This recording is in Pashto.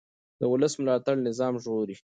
د ولس ملاتړ نظام ژغوري